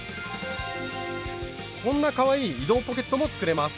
こんなかわいい「移動ポケット」も作れます。